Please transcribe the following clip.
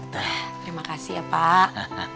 terima kasih ya pak